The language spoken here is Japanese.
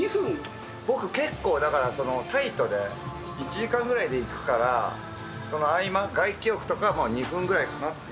僕結構、だからタイトで、１時間ぐらいでいくから、その合間、外気浴とかは２分ぐらいかなって。